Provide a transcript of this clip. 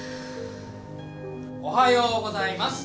おはようございます。